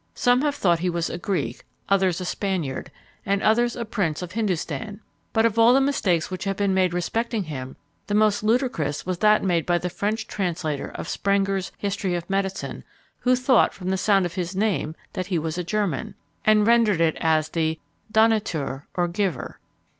Some have thought he was a Greek, others a Spaniard, and others a prince of Hindostan; but of all the mistakes which have been made respecting him, the most ludicrous was that made by the French translator of Sprenger's History of Medicine, who thought, from the sound of his name, that he was a German, and rendered it as the "Donnateur," or Giver.